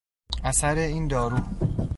اثر این دارو